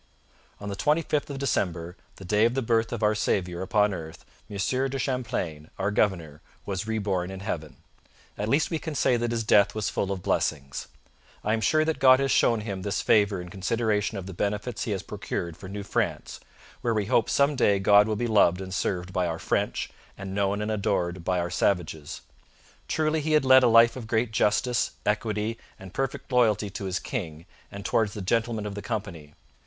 On the twenty fifth of December, the day of the birth of our Saviour upon earth, Monsieur de Champlain, our Governor, was reborn in Heaven; at least we can say that his death was full of blessings. I am sure that God has shown him this favour in consideration of the benefits he has procured for New France, where we hope some day God will be loved and served by our French, and known and adored by our Savages. Truly he had led a life of great justice, equity, and perfect loyalty to his King and towards the Gentlemen of the Company.